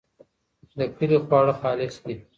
د کلي خواړه خالص دي.